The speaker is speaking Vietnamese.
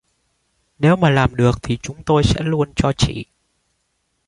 Nếu mà làm được thì chúng tôi sẽ luôn cho chị